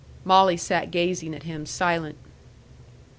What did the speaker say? Molly sat gazing at him, silent.